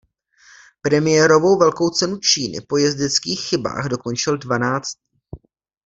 Premiérovou Velkou cenu Číny po jezdeckých chybách dokončil dvanáctý.